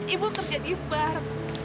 ibu kerja di bar